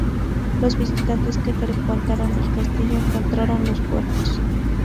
Los visitantes que frecuentaron el castillo encontraron los cuerpos.